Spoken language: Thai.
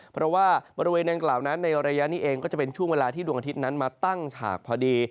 เพราะว่าบริเวณดังกล่าวนั้นในระยะนี้เองก็จะเป็นช่วงเวลาที่ดวงอาทิตย์นั้นมาตั้งฉากพอดี